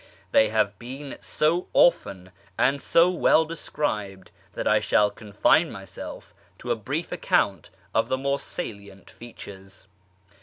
They have been so often and so well described that I shall confine myself to a brief account of their more salient features.